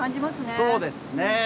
そうですね。